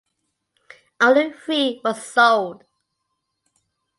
Only three were sold.